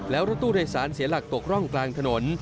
แล้วรถตู้โดยสารเสียหลักตกร่องกลางถนน